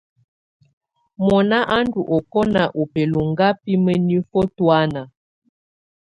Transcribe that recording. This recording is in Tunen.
Mɔna a ndù ɔkɔna u bɛlɔŋga bi mǝnifǝ tɔ̀ána.